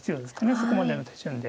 そこまでの手順で。